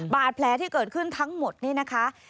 บาดแผลที่เกิดขึ้นทั้งหมดนี่นะคะ